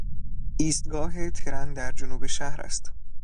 ایستگاه ترن در جنوب شهر است.